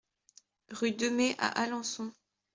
Rue Demées à Alençon